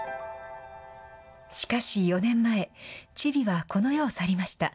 しかし４年前、チビはこの世を去りました。